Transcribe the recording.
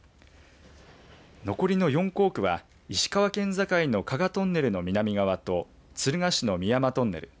残りの４工区は石川県境の加賀トンネルの南側と敦賀市の深山トンネル